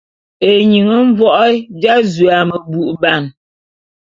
Eying mvoé dza zu a meboubane.